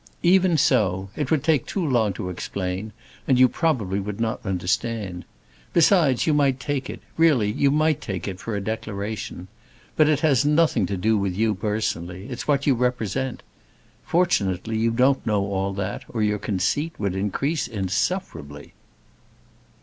"Even so. It would take too long to explain, and you probably would not understand. Besides, you might take it—really, you might take it for a declaration. But it has nothing to do with you personally; it's what you represent. Fortunately you don't know all that, or your conceit would increase insufferably."